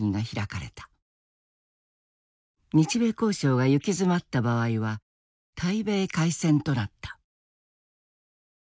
日米交渉が行き詰まった場合は対米開戦となった。